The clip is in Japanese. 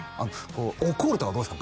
こう怒るとかどうですか？